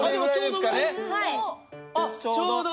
ちょうど。